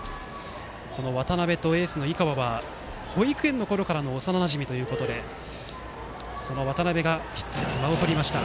渡邊とエースの井川は保育園のころからの幼なじみということで渡邊が１つ、間をとりました。